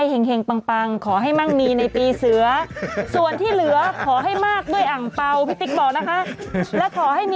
และขอให้มีแต่เราตลอดไปโอ้โฮ